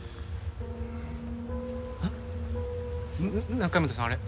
中山田さんあれ。